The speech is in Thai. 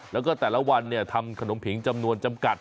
แล้วก็แต่ละวันทำขนมผิงจำนวนจำกัด